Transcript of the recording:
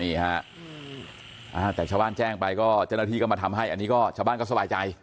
นี่ฮะแต่ชาวบ้านแจ้งไปก็เจ้าหน้าที่ก็มาทำให้อันนี้ก็ชาวบ้านก็สบายใจ